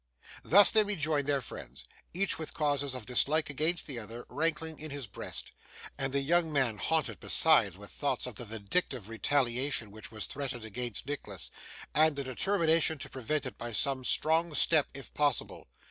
Thus they rejoined their friends: each with causes of dislike against the other rankling in his breast: and the young man haunted, besides, with thoughts of the vindictive retaliation which was threatened against Nicholas, and the determination to prevent it by some strong step, if possible.